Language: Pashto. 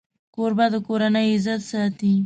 کوربه د کورنۍ عزت ساتي.